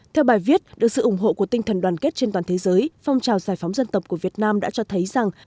theo bài viết được sự ủng hộ của tinh thần đoàn kết trên toàn thế giới phong trào giải phóng dân tộc của việt nam đã cho thấy rằng